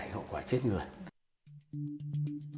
cái hậu quả chết người